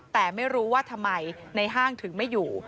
แต่ไม่รู้ว่าทำไมในห้างถึงไม่อยู่